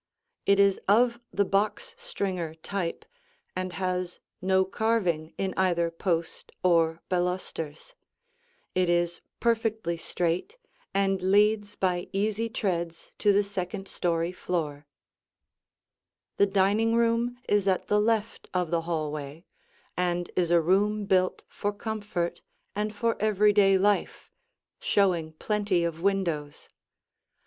It is of the box stringer type and has no carving in either post or balusters; it is perfectly straight and leads by easy treads to the second story floor. [Illustration: The Dining Room] The dining room is at the left of the hallway and is a room built for comfort and for everyday life, showing plenty of windows.